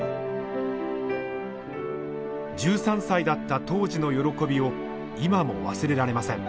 １３歳だった当時の喜びを今も忘れられません。